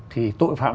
thì tội phạm